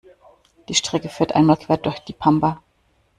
Die Strecke führt einmal quer durch die Pampa.